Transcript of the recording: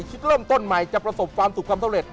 คิดเริ่มต้นใหม่จะประสบความสุขความสำเร็จ